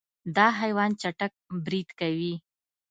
دا حیوان چټک برید کوي.